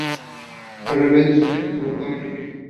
Los rebeldes apenas evacuaron equipo.